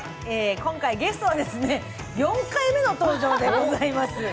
今回、ゲストは４回目の登場でございます。